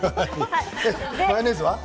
マヨネーズは？